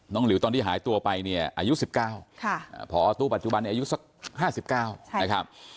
น้องหลิวตอนที่หายตัวไปเนี่ยอายุ๑๙ค่ะผอตู้ปัจจุบันนี้อายุ๕๙นะครับ